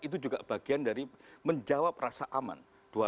itu juga bagian dari menjawab rasa aman